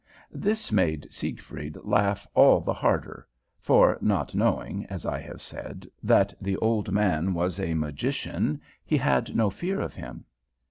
"This made Siegfried laugh all the harder, for, not knowing, as I have said, that the old man was a magician, he had no fear of him.